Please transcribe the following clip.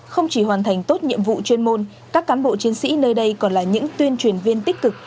không chỉ hoàn thành tốt nhiệm vụ chuyên môn các cán bộ chiến sĩ nơi đây còn là những tuyên truyền viên tích cực